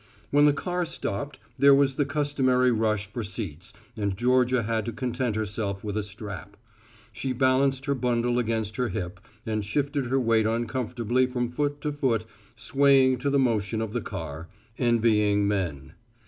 When the car stopped there was the customary rush for seats and Georgia had to content herself with a strap. She balanced her bundle against her hip and shifted her weight uncomfortably from foot to foot swaying to the motion of the car, envying men.